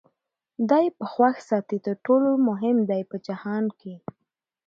دی به خوښ ساتې تر ټولو چي مهم دی په جهان کي